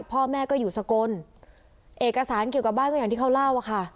พ่อแม่ก็อยู่สกลเอกสารเกี่ยวกับบ้านก็อย่างที่เขาเล่าอะค่ะ